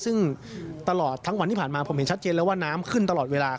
ซึ่งตลอดทั้งวันที่ผ่านมาผมเห็นชัดเจนแล้วว่าน้ำขึ้นตลอดเวลา